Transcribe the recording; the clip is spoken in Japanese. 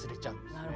なるほど。